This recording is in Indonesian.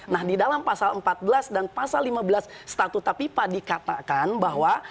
nah di dalam pasal empat belas dan pasal lima belas statuta pipa dikatakan bahwa